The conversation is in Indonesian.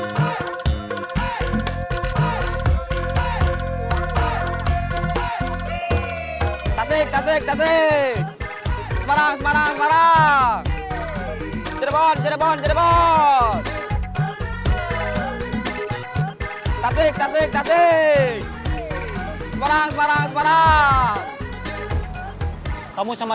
kalahpah kalahpah kalahpah